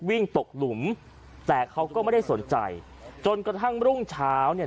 วิ่งตกหลุมแต่เขาก็ไม่ได้สนใจจนกระทั่งรุ่งเช้าเนี่ย